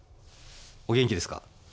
お元気ですか？